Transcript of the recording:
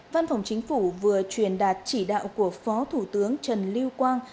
văn phòng chính phủ vừa truyền đạt chỉ đạo của phó thủ tướng trần lưu quang